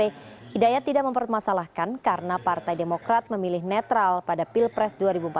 hidayat tidak mempermasalahkan karena partai demokrat memilih netral pada pilpres dua ribu empat belas